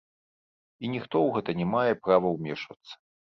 І ніхто ў гэта не мае права ўмешвацца.